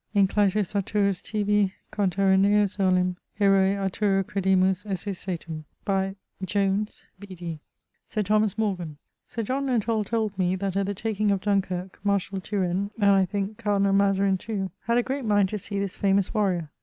Inclytus Arthurus tibi conterranneus olim, Herôe Arthuro credimus esse satum. ... Jones, B.D.] Sir Thomas Morgan: Sir John Lenthall told me that at the taking of Dunkyrke, Marshall Turenne, and, I thinke, Cardinall Mezarine too, had a great mind to see this famous warrior.